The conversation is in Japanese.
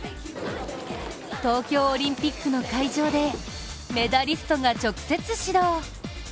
東京オリンピックの会場でメダリストが直接指導。